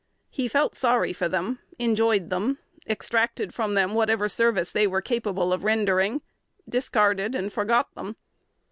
He felt sorry for them, enjoyed them, extracted from them whatever service they were capable of rendering, discarded and forgot them.